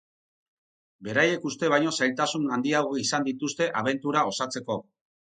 Beraiek uste baino zailtasun handiagoak izan dituzte abentura osatzeko.